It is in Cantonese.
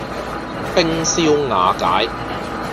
冰消瓦解